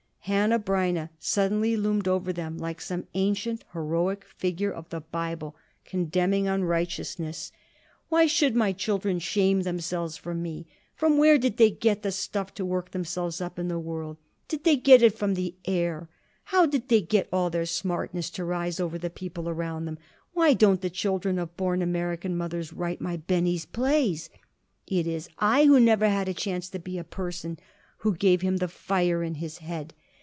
Hanneh Breineh suddenly loomed over them like some ancient, heroic figure of the Bible condemning unrighteousness. "Why should my children shame themselves from me? From where did they get the stuff to work themselves up in the world? Did they get it from the air? How did they get all their smartness to rise over the people around them? Why don't the children of born American mothers write my Benny's plays? It is I, who never had a chance to be a person, who gave him the fire in his head.